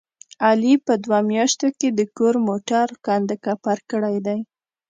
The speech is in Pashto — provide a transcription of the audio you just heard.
علي په دوه میاشتو کې د کور موټر کنډ کپر کړی دی.